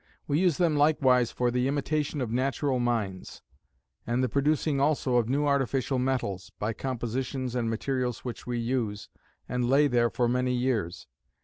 We use them likewise for the imitation of natural mines; and the producing also of new artificial metals, by compositions and materials which we use, and lay there for many years.